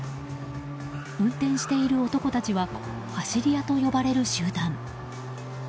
運転している男たちは走り屋と呼ばれる集団。